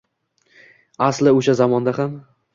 Asli o’sha zamonda ham